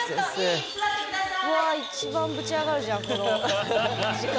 うわあ一番ブチ上がるじゃんこの時間。